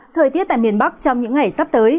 thời tiết tại miền bắc trong những ngày sắp tới